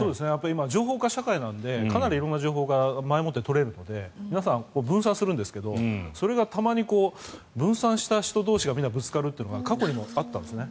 今、情報化社会なのでかなり色んな情報が前もって取れるので皆さん、分散するんですけどそれがたまに分散した人同士がぶつかるというのが過去にもあったんですね。